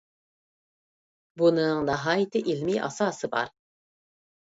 بۇنىڭ ناھايىتى ئىلمىي ئاساسى بار.